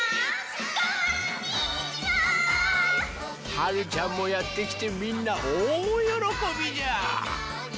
はるちゃんもやってきてみんなおおよろこびじゃ。